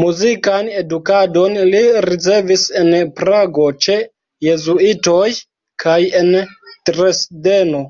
Muzikan edukadon li ricevis en Prago ĉe jezuitoj kaj en Dresdeno.